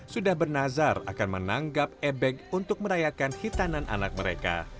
sudah bernazar akan menanggap ebek untuk merayakan hitanan anak mereka